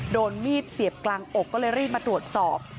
โดนมีดเสียบกลางอกก็เลยรีบมาตรวจสอบ